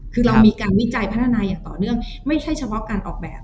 คือเรามีการวิจัยพัฒนาอย่างต่อเนื่องไม่ใช่เฉพาะการออกแบบ